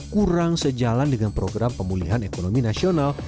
kurang sejalan dengan program pemulihan ekonomi nasional